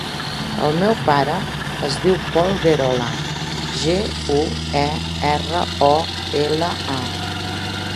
El meu pare es diu Pol Guerola: ge, u, e, erra, o, ela, a.